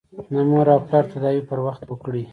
د مور او پلار تداوي پر وخت وکړئ.